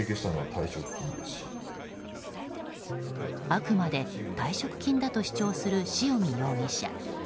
あくまで退職金だと主張する塩見容疑者。